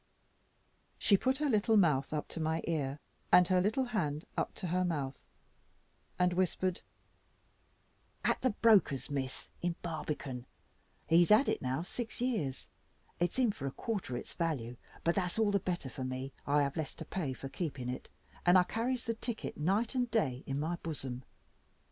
She put her little mouth up to my ear, and her little hand up to her mouth, and whispered "At the broker's, Miss, in Barbican. He has had it now six years. It's in for a quarter its value, but that's all the better for me: I have less to pay for keeping it, and I carries the ticket night and day in my bosom.